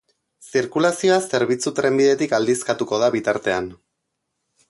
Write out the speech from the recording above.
Zirkulazioa zerbitzu trenbidetik aldizkatuko da bitartean.